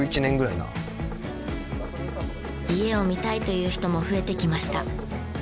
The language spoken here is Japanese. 家を見たいという人も増えてきました。